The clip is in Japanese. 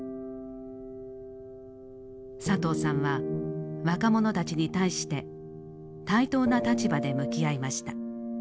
佐藤さんは若者たちに対して対等な立場で向き合いました。